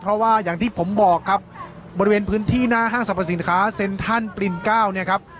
เพราะว่าอย่างที่ผมบอกครับบริเวณพื้นที่หน้าห้างสรรพสินค้าเซ็นทรัลปรินเก้าเนี่ยครับ